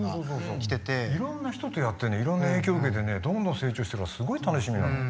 いろんな人とやってねいろんな影響受けてねどんどん成長してるからすごい楽しみなの。